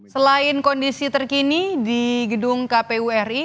selain kondisi terkini di gedung kpuri